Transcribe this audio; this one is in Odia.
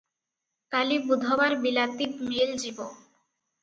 କାଲି ବୁଧବାର ବିଲାତୀ ମେଲ୍ ଯିବ ।